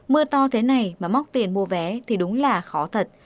mưa to thế này mà móc tiền mua vé thì đúng là khó thật